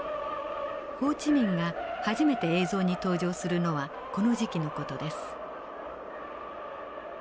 ホー・チ・ミンが初めて映像に登場するのはこの時期の事です。